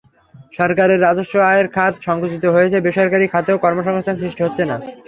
সরকারের রাজস্ব আয়ের খাত সংকুচিত হয়েছে, বেসরকারি খাতেও কর্মসংস্থান সৃষ্টি হচ্ছে না।